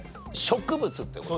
植物って事？